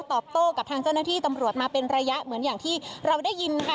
ตอบโต้กับทางเจ้าหน้าที่ตำรวจมาเป็นระยะเหมือนอย่างที่เราได้ยินค่ะ